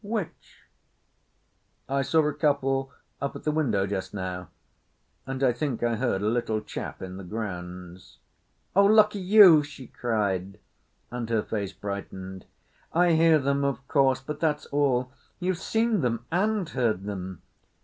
"Which?" "I saw a couple up at the window just now, and I think I heard a little chap in the grounds." "Oh, lucky you!" she cried, and her face brightened. "I hear them, of course, but that's all. You've seen them and heard them?"